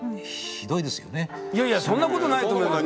いやいやそんなことないと思います。